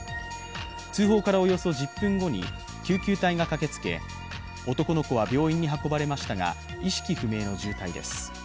通報からおよそ１０分後に救急隊が駆けつけ、男の子は病院に運ばれましたが意識不明の重体です。